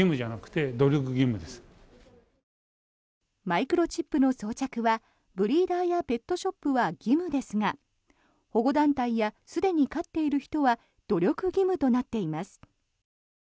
マイクロチップの装着はブリーダーやペットショップは義務ですが保護団体やすでに飼っている人は努力義務となっています。